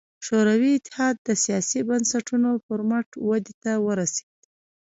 شوروي اتحاد د سیاسي بنسټونو پر مټ ودې ته ورسېد.